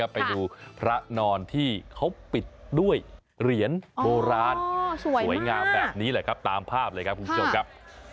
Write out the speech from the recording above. ไปดูพระนอนที่เขาปิดด้วยเหรียญโบราณสวยงามแบบนี้เลยครับ